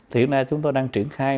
thì hiện nay chúng tôi đang triển khai